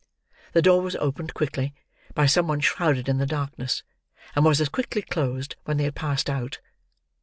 The door was opened, quickly, by some one shrouded in the darkness, and was as quickly closed, when they had passed out.